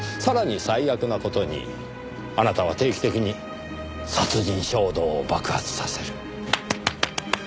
さらに最悪な事にあなたは定期的に殺人衝動を爆発させる。